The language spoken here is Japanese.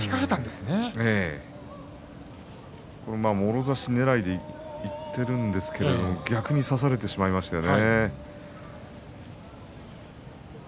もろ差しねらいでいっている琴ノ若ですけれども逆に差されてしまいましたね。